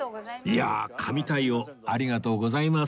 いやあ神対応ありがとうございます